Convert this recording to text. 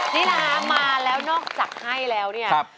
นี่นะคะมาแล้วนอกจากให้แล้วเนี่ย